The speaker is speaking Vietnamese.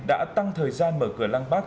đã tăng thời gian mở cửa lăng bắc